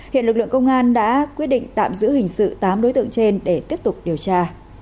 hiện lực lượng công an đã quyết định tạm giữ hình sự tám đối tượng trên để tiếp tục điều tra